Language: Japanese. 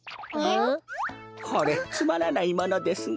これつまらないものですが。